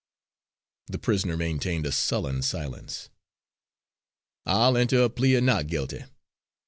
The prisoner maintained a sullen silence. "I'll enter a plea of not guilty.